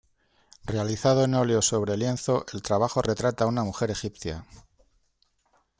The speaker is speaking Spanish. Realizado en óleo sobre lienzo, el trabajo retrata a una mujer egipcia.